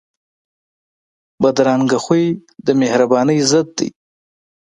بدرنګه خوی د مهربانۍ ضد دی